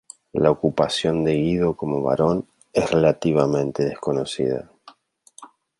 La ocupación de Guido como barón es relativamente desconocida.